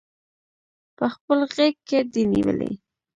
پخپل غیږ کې دی نیولي